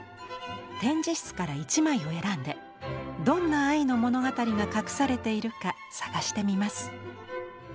展示室から１枚を選んでどんな愛の物語が隠されているか探してみます。